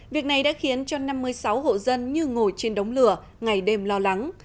việc này đã khiến cho năm mươi sáu hộ dân như ngồi trên đống lửa ngày đêm lo lắng